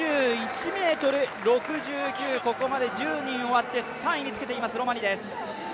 ２１ｍ６９、ここまで１０人終わって３位につけていますロマニです。